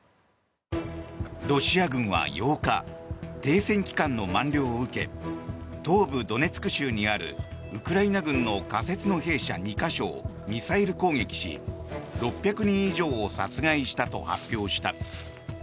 ロシア軍は８日停戦期間の満了を受け東部ドネツク州にあるウクライナ軍の仮設の兵舎２か所をミサイル攻撃し６００人以上を殺害したと発表した。